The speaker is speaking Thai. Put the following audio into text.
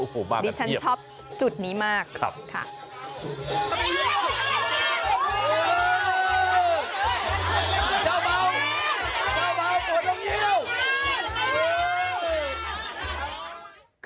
โอ้โฮมากนักเบียบครับดิฉันชอบจุดนี้มากค่ะดิฉันชอบจุดนี้มาก